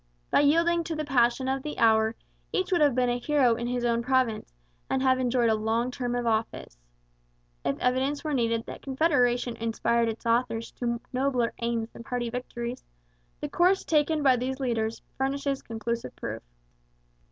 By yielding to the passion of the hour each would have been a hero in his own province and have enjoyed a long term of office. If evidence were needed that Confederation inspired its authors to nobler aims than party victories, the course taken by these leaders furnishes conclusive proof.